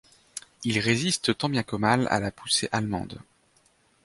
Il résiste tant bien que mal à la poussée allemande.